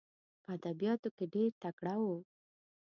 په ادبیاتو کې ډېر تکړه وو.